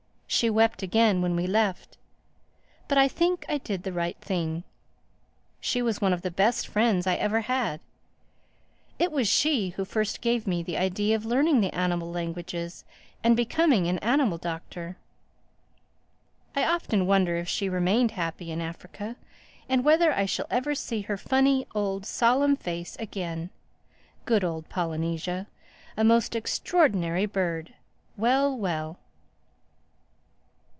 She wept again when we left. But I think I did the right thing. She was one of the best friends I ever had. It was she who first gave me the idea of learning the animal languages and becoming an animal doctor. I often wonder if she remained happy in Africa, and whether I shall ever see her funny, old, solemn face again—Good old Polynesia!—A most extraordinary bird—Well, well!"